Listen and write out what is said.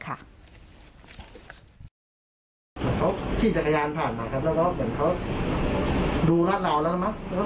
เขาขี่จักรยานผ่านมาครับแล้วก็เหมือนเขาดูราดราวแล้วนะมะ